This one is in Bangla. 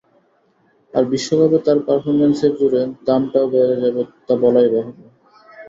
আর বিশ্বকাপে তাঁর পারফরম্যান্সের জোরে দামটাও বেড়ে যাবে তা বলাই বাহুল্য।